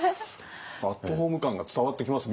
アットホーム感が伝わってきます